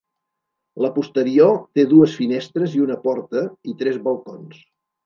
La posterior té dues finestres i una porta i tres balcons.